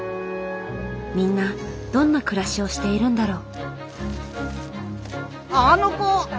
みんなどんな暮らしをしているんだろう？